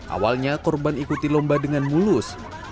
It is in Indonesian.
awalnya korban ikuti lomba dengan mulus